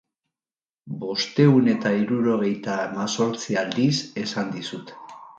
Bostehun eta hirurogeita hamazortzi aldiz esan dizut.